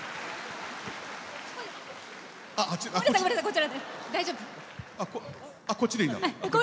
こっちでいいんだ。